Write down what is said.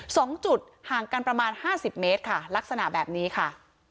สองจุดห่างกันประมาณห้าสิบเมตรค่ะลักษณะแบบนี้ค่ะ